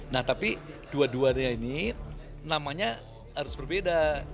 nah tapi dua duanya ini namanya harus berbeda